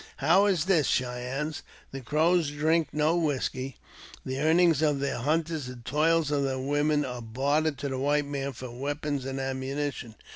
How is this, Cheyennes? The Crows drink no whisky. The earnings o their hunters and toils of their women are bartered to the white man for weapons and ammunition.